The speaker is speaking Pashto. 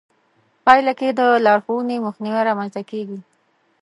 پايله کې د لارښوونې مخنيوی رامنځته کېږي.